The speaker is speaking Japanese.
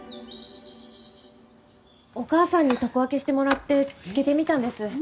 お母さんに床分けしてもらって漬けてみたんです。